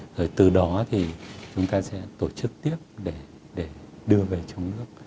rồi từ đó thì chúng ta sẽ tổ chức tiếp để đưa về trong nước